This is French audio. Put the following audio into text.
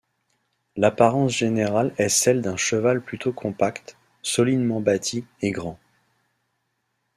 L'apparence général est celle d'un cheval plutôt compact, solidement bâti, et grand.